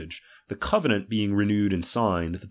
aii« age, the covenant being renewed and signed, the 11.